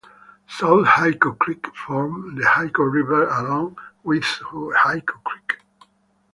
South Hyco Creek forms the Hyco River along with Hyco Creek.